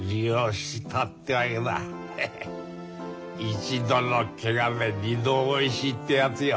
一度のケガで二度おいしいってやつよ。